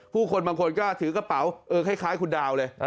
ผู้คนบางคนก็ถือกระเป๋าเออคล้ายคุณดาวเลย